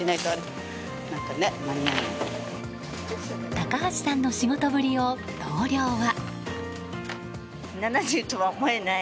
高橋さんの仕事ぶりを同僚は。